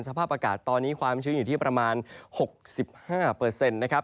สภาพอากาศตอนนี้ความชื้นอยู่ที่ประมาณ๖๕นะครับ